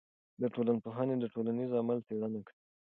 ټولنپوهنه د ټولنیز عمل څېړنه کوي.